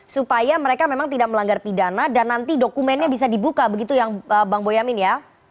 supaya mereka memang tidak melanggar pidana dan nanti dokumennya bisa dibuka begitu yang bang boyamin ya